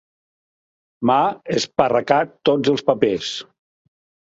M'ha esparracat tots els papers.